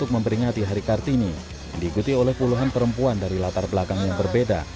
memperingati hari kartini diikuti oleh puluhan perempuan dari latar belakang yang berbeda